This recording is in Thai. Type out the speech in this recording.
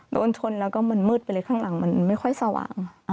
โดนชนแล้วก็มันมืดไปเลยข้างหลังมันไม่ค่อยสว่าง